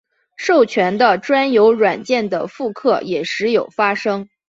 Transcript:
授权的专有软件的复刻也时有发生。